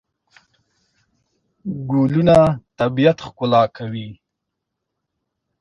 ګلونه طبیعت ښکلا کوي.